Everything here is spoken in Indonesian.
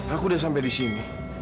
aku udah sampai di sini